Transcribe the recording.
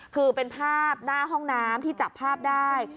คือเป็นภาพหน้าห้องน้ำที่จับภาพได้